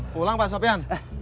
pulang pak sobian